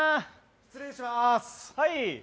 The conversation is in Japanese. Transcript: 失礼します。